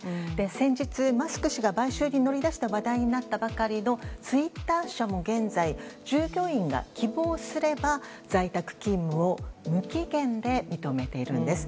先日、マスク氏が買収に乗り出して話題になったばかりのツイッター社も現在従業員が希望すれば在宅勤務を無期限で認めているんです。